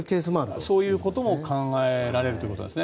そういうことも考えられるということです。